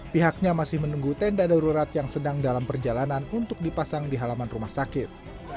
pihaknya masih menunggu tenda darurat yang sedang dalam perjalanan untuk dipasang di halaman rumah sakit